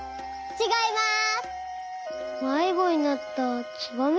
ちがいます。